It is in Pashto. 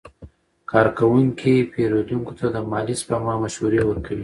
کارکوونکي پیرودونکو ته د مالي سپما مشورې ورکوي.